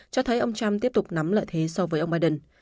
cho thấy ông trump tiếp tục nắm lợi thế so với ông biden